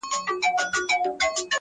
چي دولتمند یې که دربدر یې!!